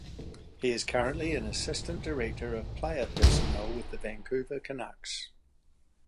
He is currently an assistant director of player personnel with the Vancouver Canucks.